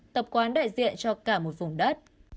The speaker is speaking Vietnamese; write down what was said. tập quán đại diện cho cả một vùng đất